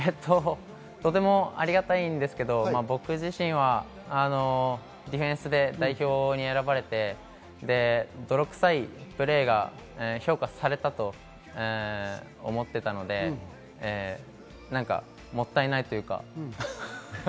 とてもありがたいんですけど、僕自身はディフェンスで代表に選ばれて泥臭いプレーが評価されたと思っていたので、もったいないというか。